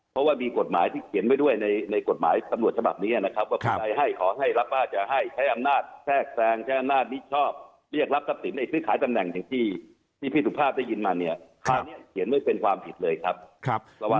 เพราะว่ามีกฎหมายที่เขียนไว้ด้วยในกฎหมายสำรวจฉบับนี้นะครับ